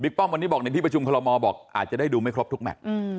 ป้อมวันนี้บอกในที่ประชุมคอลโมบอกอาจจะได้ดูไม่ครบทุกแมท